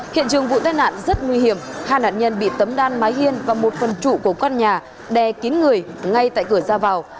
hiện trường vụ tai nạn rất nguy hiểm hai nạn nhân bị tấm đan mái hiên và một phần trụ của con nhà đè kín người ngay tại cửa ra vào